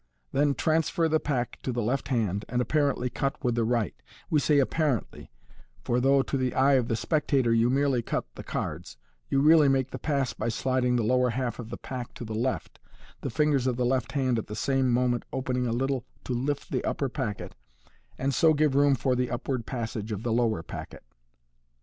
Then transfer the pack to the left hand, and apparently cut with the right We say apparently, for though to the eye of the spectator you merely cut the cards, you really make the pass by sliding the lower half of the pack to the left, the fingers of the left hand at the same moment opening a little to lift the upper packet, and so give room for the upward passage of the lower packet.